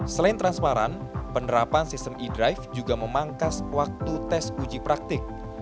selain transparan penerapan sistem e drive juga memangkas waktu tes uji praktik